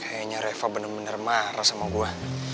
kayaknya reva bener bener marah sama gue